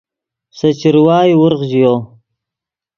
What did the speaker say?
سے چروائے ورغ ژیو